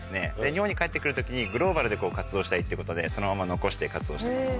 日本に帰って来る時にグローバルで活動したいってことでそのまま残して活動しています。